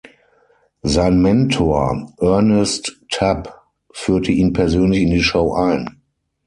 Sein Mentor Ernest Tubb führte ihn persönlich in die Show ein.